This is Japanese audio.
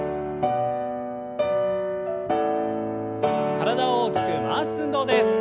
体を大きく回す運動です。